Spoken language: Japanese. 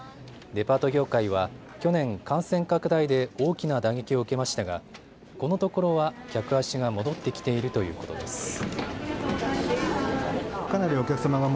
デパート業界は去年、感染拡大で大きな打撃を受けましたがこのところは客足が戻ってきているということです。